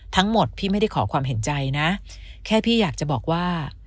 ทั้งหมดพี่ไม่ได้ขอความเห็นใจนะแค่พี่อยากจะบอกว่า